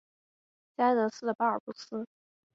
加的斯的巴尔布斯。